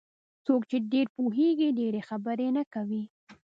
څوک چې ډېر پوهېږي ډېرې خبرې نه کوي.